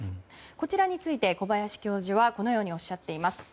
こちらについて、小林教授はこのようにおっしゃっています。